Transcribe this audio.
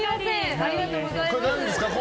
ありがとうございます。